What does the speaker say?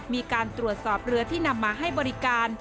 มีการตรวจสอบเรือที่นำมาให้บริการ